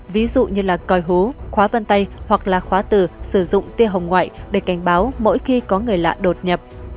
ví dụ như là coi hú khóa văn tay hoặc là khóa tử sử dụng tiê hồng ngoại để cảnh báo mỗi khi có người lạ đột nhập